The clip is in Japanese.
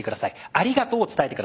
ありがとうを伝えて下さい。